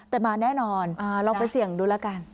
แต่มาแน่นอนลองไปเสี่ยงดูแล้วกัน